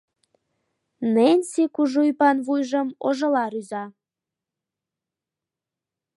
Ненси кужу ӱпан вуйжым ожыла рӱза.